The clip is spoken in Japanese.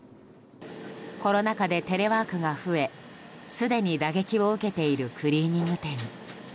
コロナ禍でテレワークが増えすでに打撃を受けているクリーニング店。